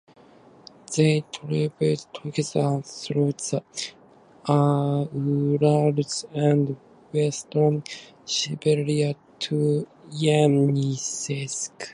They travelled together through the Urals and western Siberia to Yeniseysk.